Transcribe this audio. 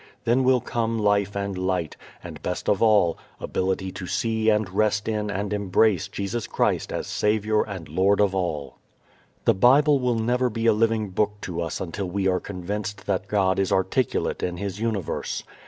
Then will come life and light, and best of all, ability to see and rest in and embrace Jesus Christ as Saviour and Lord and All. The Bible will never be a living Book to us until we are convinced that God is articulate in His universe.